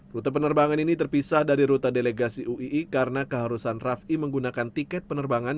rute penerbangan ini terpisah dari rute delegasi uii karena keharusan raffi menggunakan tiket penerbangan